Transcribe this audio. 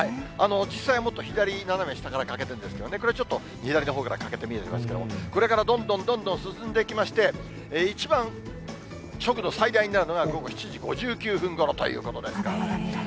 実際はもっと左斜め下から欠けているんですけど、これはちょっと左のほうから欠けて見えますけれども、これからどんどんどんどん進んでいきまして、一番食の最大になるのが午後７時５９分ごろということですからね。